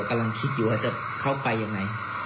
กำลังคิดอยู่ว่าจะเข้าไปยังไง